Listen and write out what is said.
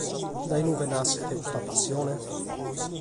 Dae in ue naschet custa passione?